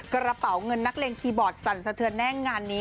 กระเป๋าเงินนักเลงคีย์บอร์ดสั่นสะเทือนแน่นงานนี้